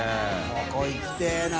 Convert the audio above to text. ここ行きてぇな。